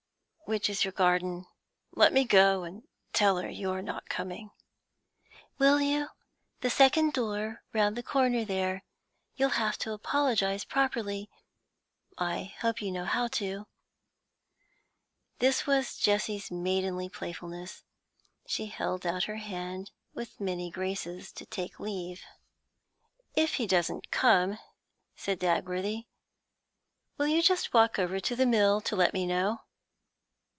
Which is your garden? Let me go and tell her you are not coming.' 'Will you? The second door round the corner there, You'll have to apologize properly I hope you know how to.' This was Jessie's maidenly playfulness; she held out her hand, with many graces, to take leave. 'If he doesn't come,' said Dagworthy, 'will you just walk over to the mill to let me know?'